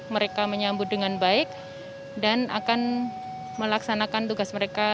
mereka menyambut dengan baik dan akan melaksanakan tugas mereka